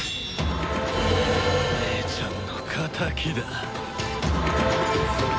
姉ちゃんの仇だ。